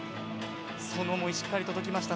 その思いしっかり届きました。